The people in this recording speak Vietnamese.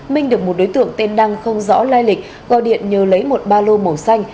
minh được một đối tượng tên đăng không rõ lai lịch gọi điện nhờ lấy một ba lô màu xanh